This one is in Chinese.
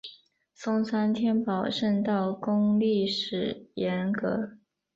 松山天宝圣道宫历史沿革